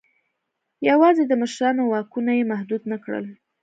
یوازې د مشرانو واکونه یې محدود نه کړل.